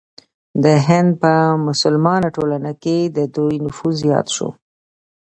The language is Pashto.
د هند په مسلمانه ټولنه کې د دوی نفوذ زیات شو.